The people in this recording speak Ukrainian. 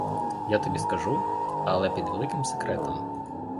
Я тобі скажу, але під великим секретом.